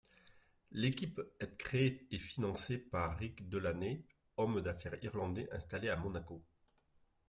L'équipe est créée et financée par Rick Delaney, homme d'affaires irlandais installé à Monaco.